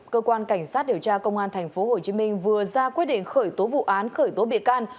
cơ quan cảnh sát điều tra công an tp hcm vừa ra quyết định khởi tố vụ án khởi tố bị can